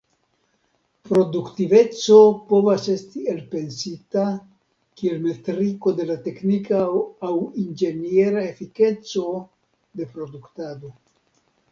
Produktiveco povas esti elpensita kiel metriko de la teknika aŭ inĝeniera efikeco de produktado.